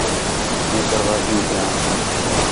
مئے چرغاٹیں کیام